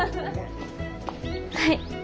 はい。